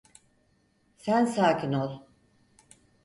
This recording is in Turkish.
Sen sakin ol…